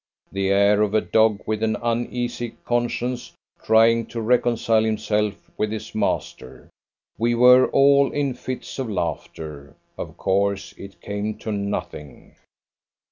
the air of a dog with an uneasy conscience, trying to reconcile himself with his master! We were all in fits of laughter. Of course it came to nothing."